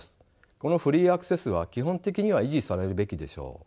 このフリーアクセスは基本的には維持されるべきでしょう。